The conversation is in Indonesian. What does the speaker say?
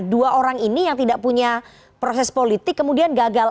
dua orang ini yang tidak punya proses politik kemudian gagal